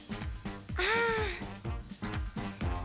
ああ。